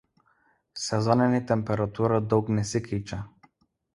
Sezoninė temperatūra daug nesikeičia.